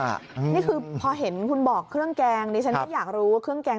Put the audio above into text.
นี่คือพอเห็นคุณบอกเครื่องแกงดิฉันก็อยากรู้ว่าเครื่องแกง